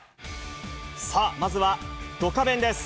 さあ、まずはドカベンです。